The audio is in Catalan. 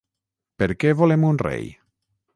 Per què volem un rei?